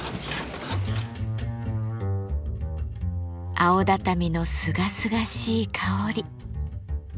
青畳のすがすがしい香り。